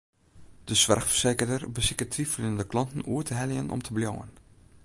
De soarchfersekerder besiket twiveljende klanten oer te heljen om te bliuwen.